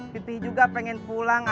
pipih juga pengen pulang